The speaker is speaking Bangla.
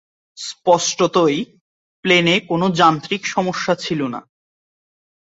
স্পষ্টতই, প্লেনে কোনো যান্ত্রিক সমস্যা ছিল।